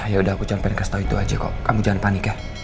ya udah aku jangan pengen kasih tau itu aja kok kamu jangan panik ya